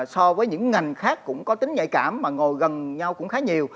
so với những ngành khác cũng có tính nhạy cảm mà ngồi gần nhau cũng khá nhiều